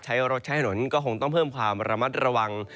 ใช้รถใช้ถนนก็คงต้องเพิ่มความระมัดระวัง